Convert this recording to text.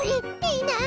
いない！